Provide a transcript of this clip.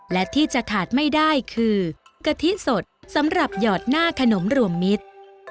และที่จะขาดไม่ได้คือกะทิสดสำหรับหยอดหน้าขนมรวมมิตร